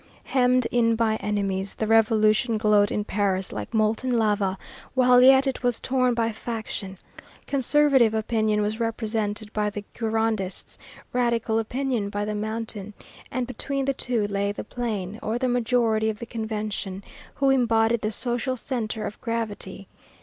Hemmed in by enemies, the revolution glowed in Paris like molten lava, while yet it was torn by faction. Conservative opinion was represented by the Girondists, radical opinion by the Mountain, and between the two lay the Plain, or the majority of the Convention, who embodied the social centre of gravity.